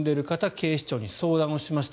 警視庁に相談をしました。